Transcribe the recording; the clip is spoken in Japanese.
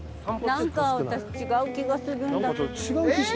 なんか私違う気がするんだけど。